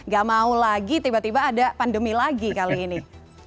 gak mau lagi tiba tiba ada pandemi lagi kali ini